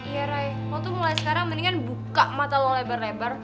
iya ray waktu mulai sekarang mendingan buka mata lo lebar lebar